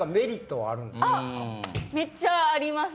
めっちゃあります。